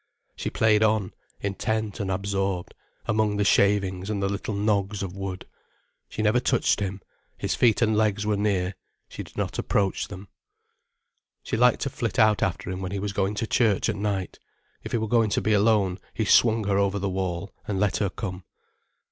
She played on, intent and absorbed, among the shavings and the little nogs of wood. She never touched him: his feet and legs were near, she did not approach them. She liked to flit out after him when he was going to church at night. If he were going to be alone, he swung her over the wall, and let her come.